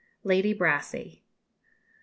LADY BRASSEY.